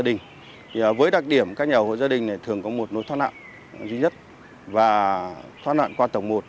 đình với đặc điểm các nhà ở hộ gia đình thường có một nối thoát nạn duy nhất và thoát nạn qua tầng